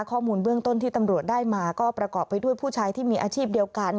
ข้อมูลเบื้องต้นที่ตำรวจได้มาก็ประกอบไปด้วยผู้ชายที่มีอาชีพเดียวกัน